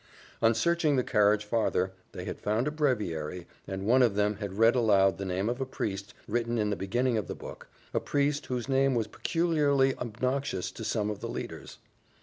On searching the carriage farther, they had found a breviary, and one of them had read aloud the name of a priest, written in the beginning of the book a priest whose name was peculiarly obnoxious to some of the leaders.